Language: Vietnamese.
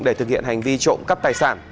để thực hiện hành vi trộm cắp tài sản